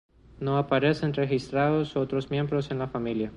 No aparecen registrados otros miembros en la familia.